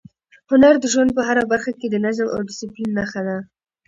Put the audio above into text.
هنر د ژوند په هره برخه کې د نظم او ډیسپلین نښه ده.